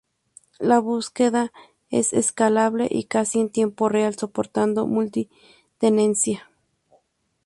La búsqueda es escalable y casi en tiempo real, soportando multi-tenencia.